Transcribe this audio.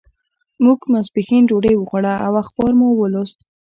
موږ ماسپښین ډوډۍ وخوړه او اخبار مو ولوست.